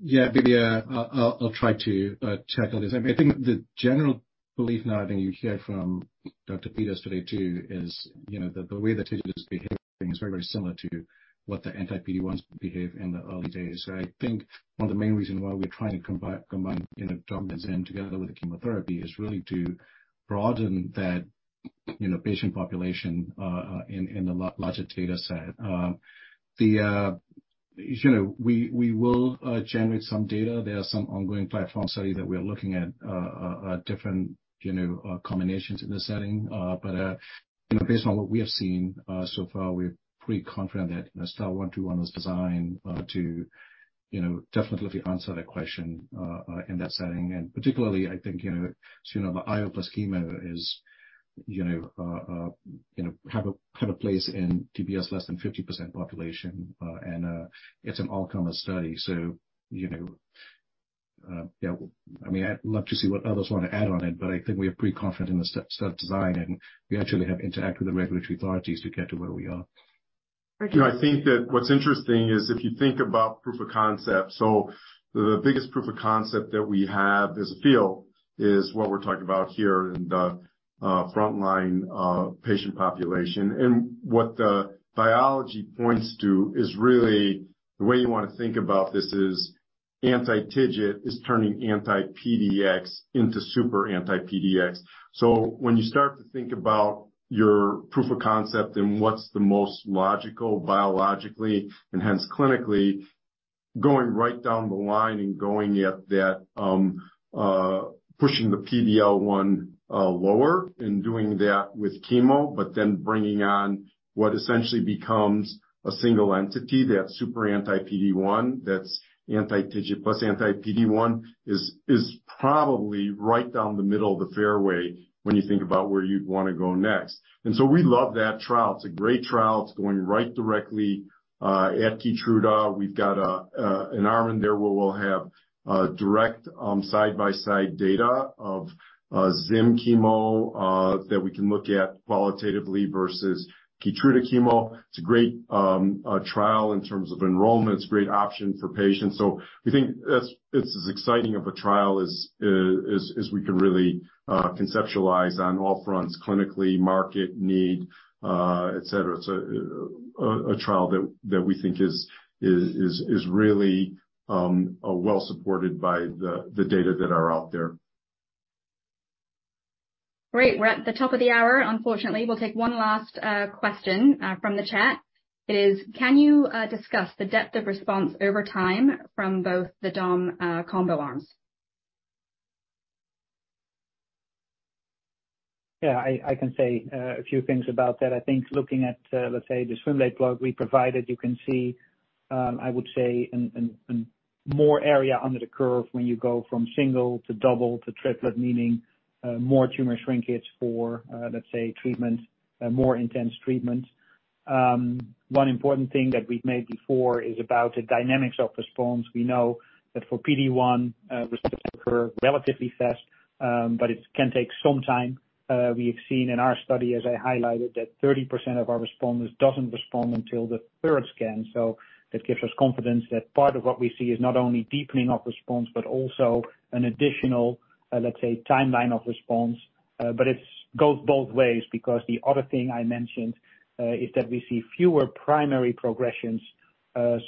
Maybe I'll try to tackle this. I think the general belief now, and I think you heard from Dr. Peters today too is, you know, the way the T-cell is behaving is very, very similar to what the anti-PD-1s behave in the early days. I think one of the main reasons why we're trying to combine, you know, domzim together with the chemotherapy is really to broaden that, you know, patient population in the larger data set. As you know, we will generate some data. There are some ongoing platform study that we are looking at different, you know, combinations in this setting. You know, based on what we have seen, so far, we're pretty confident that, you know, STAR-121 was designed, to, you know, definitely answer that question, in that setting. Particularly, I think, you know, as you know, the IO plus chemo is, you know, have a place in TPS less than 50% population, and it's an all-comer study. You know, yeah. I mean, I'd love to see what others want to add on it, but I think we are pretty confident in the study design, and we actually have interacted with the regulatory authorities to get to where we are. Richard? You know, I think that what's interesting is if you think about proof of concept, the biggest proof of concept that we have as a field is what we're talking about here in the frontline patient population. What the biology points to is really the way you want to think about this is anti-TIGIT is turning anti-PD-1 into super anti-PD-1. When you start to think about your proof of concept and what's the most logical biologically and hence clinically, going right down the line and going at that pushing the PD-L1 lower and doing that with chemo, but then bringing on what essentially becomes a single entity, that super anti-PD-1, that's anti-TIGIT plus anti-PD-1, is probably right down the middle of the fairway when you think about where you'd want to go next. We love that trial. It's a great trial. It's going right directly at KEYTRUDA. We've got an arm in there where we'll have direct side-by-side data of ZIM chemo that we can look at qualitatively versus KEYTRUDA chemo. It's a great trial in terms of enrollment. It's a great option for patients. We think that's as exciting of a trial as we can really conceptualize on all fronts, clinically, market need, etc. It's a trial that we think is really well supported by the data that are out there. Great. We're at the top of the hour, unfortunately. We'll take one last question from the chat. It is, "Can you discuss the depth of response over time from both the DOM combo arms? Yeah, I can say a few things about that. I think looking at, let's say, the swim lane plug we provided, you can see, I would say an more area under the curve when you go from single to double to triplet, meaning, more tumor shrinkage for, let's say treatment, more intense treatment. One important thing that we've made before is about the dynamics of response. We know that for PD-1, response occur relatively fast, but it can take some time. We have seen in our study, as I highlighted, that 30% of our responders doesn't respond until the third scan. That gives us confidence that part of what we see is not only deepening of response, but also an additional, let's say timeline of response. It's goes both ways because the other thing I mentioned, is that we see fewer primary progressions,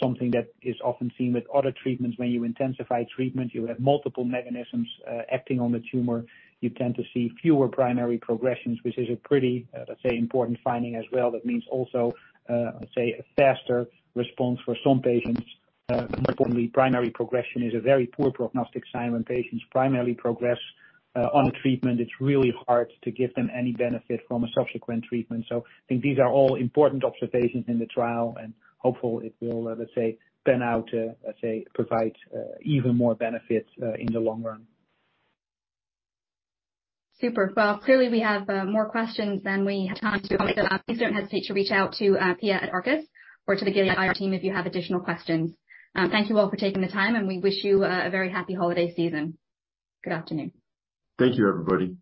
something that is often seen with other treatments. When you intensify treatment, you have multiple mechanisms, acting on the tumor. You tend to see fewer primary progressions, which is a pretty, let's say, important finding as well. That means also, let's say a faster response for some patients. More importantly, primary progression is a very poor prognostic sign when patients primarily progress, on a treatment. It's really hard to give them any benefit from a subsequent treatment. I think these are all important observations in the trial, and hopefully it will, let's say, pan out to, let's say, provide, even more benefits, in the long run. Super. Well, clearly we have more questions than we have time to cover. Please don't hesitate to reach out to Pia at Arcus or to the Gilead IR team if you have additional questions. Thank you all for taking the time, and we wish you a very happy holiday season. Good afternoon. Thank you, everybody.